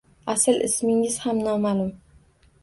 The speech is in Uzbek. Asl ismingiz ham noma`lum